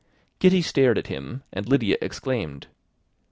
Kitty stared at him, and Lydia exclaimed.